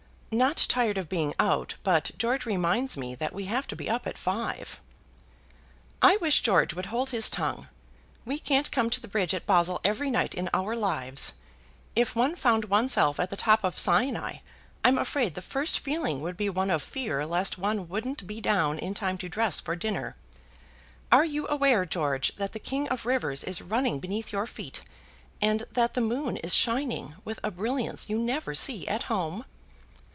"Not tired of being out, but George reminds me that we have to be up at five." "I wish George would hold his tongue. We can't come to the bridge at Basle every night in our lives. If one found oneself at the top of Sinai I'm afraid the first feeling would be one of fear lest one wouldn't be down in time to dress for dinner. Are you aware, George, that the king of rivers is running beneath your feet, and that the moon is shining with a brilliance you never see at home?"